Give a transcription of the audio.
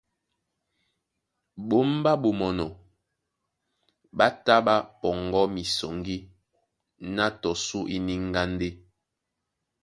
Ɓomé ɓá Ɓomɔnɔ ɓá tá ɓá pɔŋgɔ misɔŋgí ná tɔ sú íníŋgá ndé,